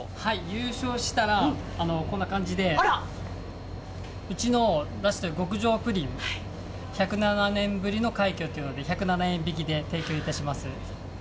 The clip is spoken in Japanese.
優勝したら、こんな感じで、うちの出してる極上プリン、１０７年ぶりの快挙というので、１０７円引きで提供いたします。